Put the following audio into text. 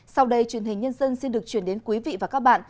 sau đây truyền hình nhân dân xin được chuyển đến quý vị và các bạn